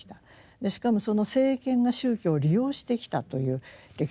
しかもその政権が宗教を利用してきたという歴史があるんですね。